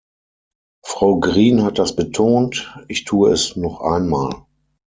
Frau Green hat das betont, ich tue es noch einmal.